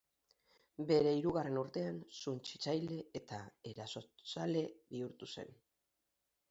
Bere hirugarren urtean, suntsitzaile eta erasozale bihurtu zen.